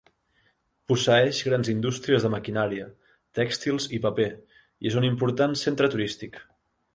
Posseeix grans indústries de maquinària, tèxtils i paper, i és un important centre turístic.